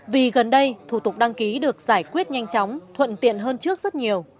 vì gần đây thủ tục đăng ký được giải quyết nhanh chóng thuận tiện hơn trước rất nhiều